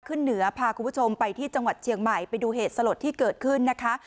ขึ้นเหนือพาคุณผู้ชมไปที่จังหวัดเชียงใหม่ไปดูเหตุสลดที่เกิดขึ้นนะคะ